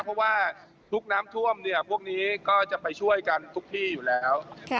เพราะว่าทุกน้ำท่วมพวกนี้ก็จะไปช่วยกันทุกที่อยู่แล้ว